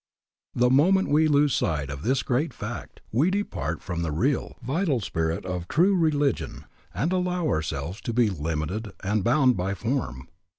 The moment we lose sight of this great fact we depart from the real, vital spirit of true religion and allow ourselves to be limited and bound by form.